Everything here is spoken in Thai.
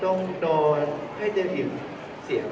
ต้องนอนให้ได้ผิดเสียง